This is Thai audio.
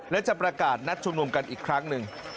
และจะประกาศนัดชุมนุมกันอีกครั้งหนึ่ง